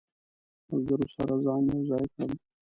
ملګرو سره ځان یو ځای کړم.